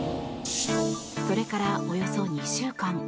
それからおよそ２週間。